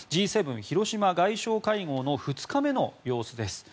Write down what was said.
広島外相会合の２日目の様子です。